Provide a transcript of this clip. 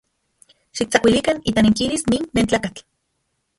Xiktsakuilikan itanekilis nin nentlakatl.